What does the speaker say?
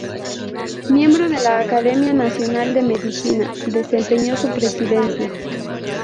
Miembro de la Academia Nacional de Medicina, desempeñó su Presidencia.